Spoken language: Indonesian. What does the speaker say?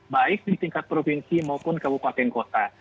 baik di tingkat provinsi maupun kabupaten kota